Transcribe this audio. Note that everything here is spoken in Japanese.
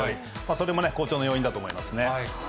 それも好調の要因だと思いますね。